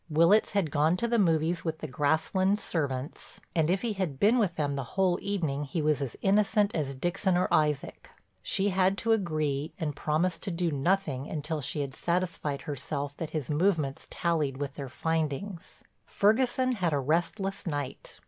Willitts had gone to the movies with the Grasslands servants and if he had been with them the whole evening he was as innocent as Dixon or Isaac. She had to agree and promised to do nothing until she had satisfied herself that his movements tallied with their findings. Ferguson had a restless night.